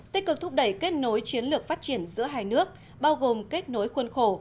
tích cực thúc đẩy kết nối chiến lược phát triển giữa hai nước bao gồm kết nối khuôn khổ